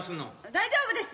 大丈夫です。